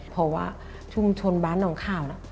เพราะว่าชุมชนบ้านน้องข้าว